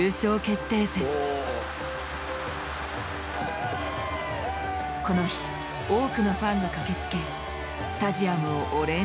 この日多くのファンが駆けつけスタジアムをオレンジ色に染めた。